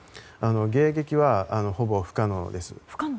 迎撃は、ほぼ不可能です。